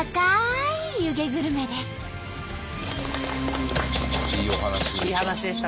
いいお話でした。